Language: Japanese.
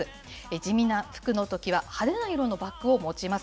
地味な服のときは、派手な色のバッグを持ちます。